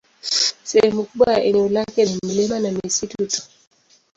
Sehemu kubwa ya eneo lake ni milima na misitu tu.